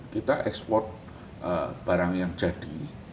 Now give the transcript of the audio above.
kita ekspor barang yang jadi